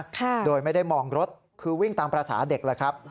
ค่ะโดยไม่ได้มองรถคือวิ่งตามภาษาเด็กแหละครับ